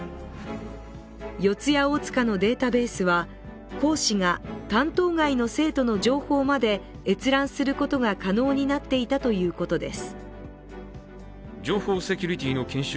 四谷大塚のデータベースは講師が担当外の生徒の情報まで閲覧することが可能になっていたということです。